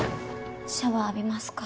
シャワー浴びますか。